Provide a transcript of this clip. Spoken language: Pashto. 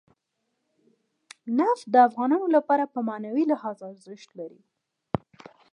نفت د افغانانو لپاره په معنوي لحاظ ارزښت لري.